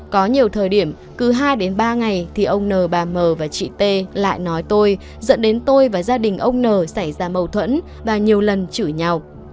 có nhiều thời điểm cứ hai đến ba ngày thì ông n bà mờ và chị t lại nói tôi dẫn đến tôi và gia đình ông n xảy ra mâu thuẫn và nhiều lần chửi nhau